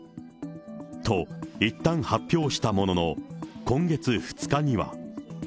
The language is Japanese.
と、いったん発表したものの、今月２日には。